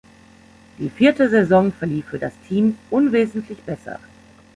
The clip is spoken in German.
Die vierte Saison verlief für das Team unwesentlich besser.